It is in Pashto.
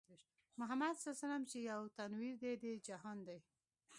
محمدص چې يو تنوير د دې جهان دی